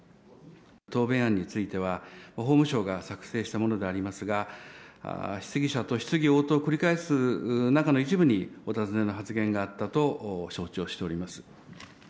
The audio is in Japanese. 答弁案については、法務省が作成したものでありますが、質疑者と質疑応答を繰り返す中の一部にお尋ねの発言があったと承知をしております。